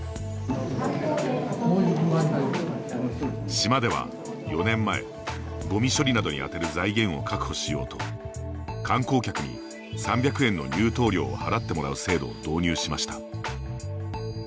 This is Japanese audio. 島では４年前、ゴミ処理などに充てる財源を確保しようと観光客に３００円の入島料を払ってもらう制度を導入しました。